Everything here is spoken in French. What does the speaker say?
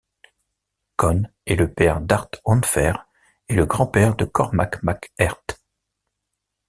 Conn est le père d’Art Oenfher et le grand-père de Cormac Mac Airt.